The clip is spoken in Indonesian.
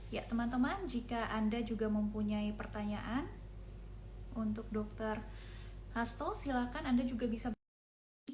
ya teman teman jika anda juga mempunyai pertanyaan untuk dokter hasto silahkan anda juga bisa berkoordinasi